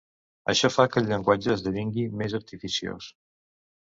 Això fa que el llenguatge esdevingui més artificiós.